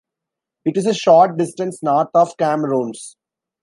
It is a short distance north of Camarones.